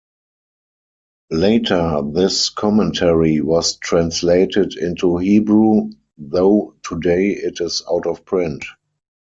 Later this commentary was translated into Hebrew, though today it is out of print.